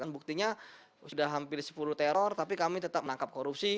buktinya sudah hampir sepuluh teror tapi kami tetap menangkap korupsi